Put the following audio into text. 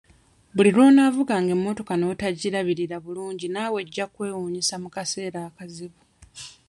Buli lw'onaavuga emmotoka n'otagirabirira bulungi naawe eggya kkwewuunyisa mu kaseera akazibu.